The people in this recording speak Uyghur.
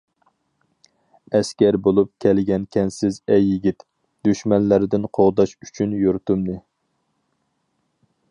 ئەسكەر بولۇپ كەلگەنكەنسىز ئەي يىگىت، دۈشمەنلەردىن قوغداش ئۈچۈن يۇرتۇمنى.